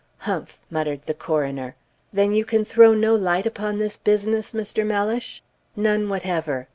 "Humph!" muttered the coroner. "Then you can throw no light upon this business, Mr. Mellish?" "None whatever.